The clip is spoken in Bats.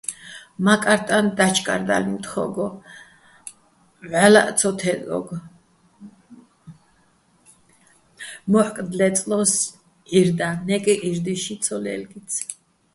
მა́კარტაჼ და́ჩკარდალიჼ თხო́გო, ვჵალლაჸ ცო თე́ტოგე̆, მო́ჰ̦̦კ დე́წლო́ს ჵირდაჼ, ნე́კი ჵირდუ́ჲნში ცო ლე́ლგიცი̆.